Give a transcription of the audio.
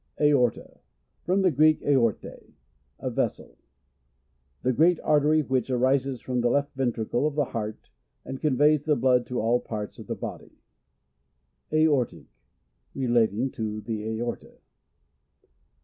Aorta. — From the Greek, aorte, a vessel. The great artery which arises from the left ventricle of the heart, and conveys the blood to all parts of the body. Aortic. — Relating to the aorta.